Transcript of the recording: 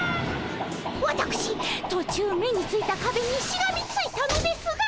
わたくし途中目についたかべにしがみついたのですが。